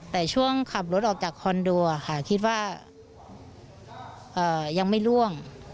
แต่ช่วงขับรถออกจากคอนโดค่ะคิดว่ายังไม่ล่วง